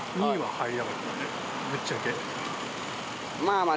ぶっちゃけ。